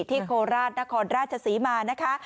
ที่โคราชน์นครราชสีมานะคะ